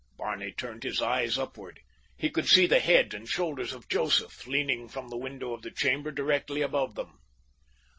Barney turned his eyes upward. He could see the head and shoulders of Joseph leaning from the window of the chamber directly above them.